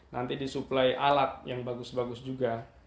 nanti disuplai alat yang bagus bagus juga